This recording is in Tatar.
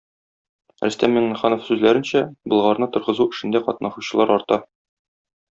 Рөстәм Миңнеханов сүзләренчә, Болгарны торгызу эшендә катнашучылар арта.